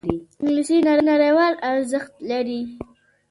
انګلیسي نړیوال ارزښت لري